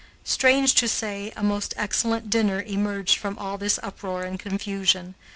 Strange to say, a most excellent dinner emerged from all this uproar and confusion.